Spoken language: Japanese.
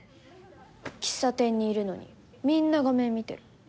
喫茶店にいるのにみんな画面見てる。